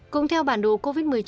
cũng theo bản đồ covid một mươi chín